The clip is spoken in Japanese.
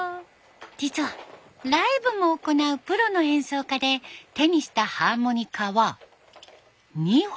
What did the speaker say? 実はライブも行うプロの演奏家で手にしたハーモニカは２本。